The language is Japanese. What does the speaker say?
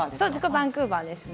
バンクーバーですね。